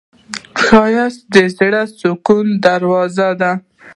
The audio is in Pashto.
ښایست د زړه د سکون دروازه ده